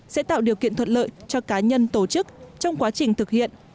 sẽ tạo điều kiện thuận lợi cho cá nhân tổ chức trong quá trình thực hiện